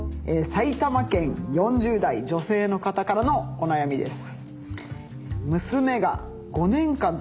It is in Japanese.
埼玉県４０代女性の方からのお悩みです。